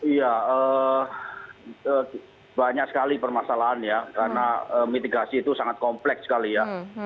iya banyak sekali permasalahan ya karena mitigasi itu sangat kompleks sekali ya